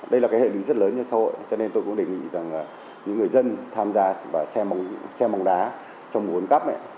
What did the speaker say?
đây là hệ lụy rất lớn trong xã hội cho nên tôi cũng đề nghị những người dân tham gia xe bóng đá trong nguồn cắp này